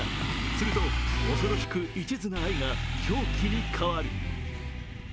すると、恐ろしく一途な愛が狂気に変わる。